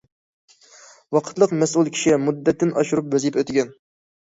ۋاقىتلىق مەسئۇل كىشى مۇددەتتىن ئاشۇرۇپ ۋەزىپە ئۆتىگەن.